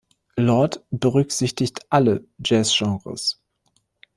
Lord berücksichtigt alle Jazz-Genres.